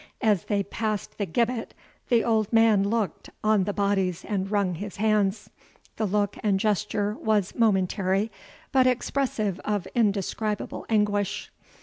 As they passed the gibbet, the old man looked on the bodies and wrung his hands. The look and gesture was momentary, but expressive of indescribable anguish.